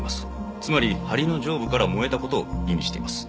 つまり梁の上部から燃えた事を意味しています。